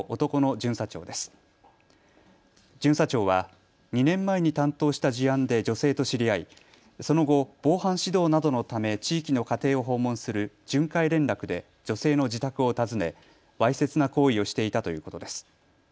巡査長は２年前に担当した事案で女性と知り合いその後、防犯指導などのため地域の家庭を訪問する巡回連絡で女性の自宅を訪ねわいせつな行為をしていたということです。